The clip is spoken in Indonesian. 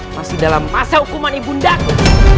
masih dalam masa hukuman ibu ndaknya